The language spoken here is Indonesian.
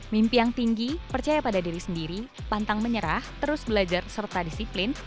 mimpi yang tinggi percaya pada diri sendiri pantang menyerah terus belajar serta disiplin